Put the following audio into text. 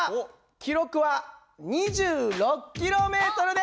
記録は２６ｋｍです！